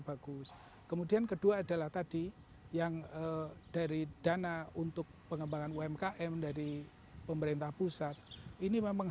bagus kemudian kedua adalah tadi yang dari dana untuk pengembangan umkm dari pemerintah pusat ini memang